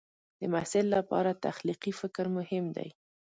د محصل لپاره تخلیقي فکر مهم دی.